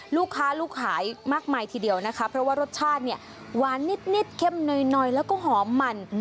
ลูกค้าลูกขายมากมายทีเดียวนะคะเพราะว่ารสชาติเนี่ยหวานนิดเข้มหน่อยแล้วก็หอมมัน